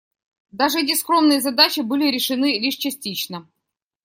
Даже эти скромные задачи были решены лишь частично.